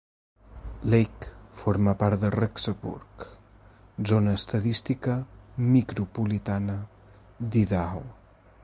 Lake forma part de Rexburg, zona estadística micropolitana d'Idaho.